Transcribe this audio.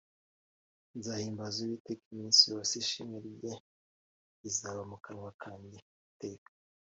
Nzahimbaza uwiteka iminsi yose, ishimwe rye rizaba mu kanwa kanjye iteka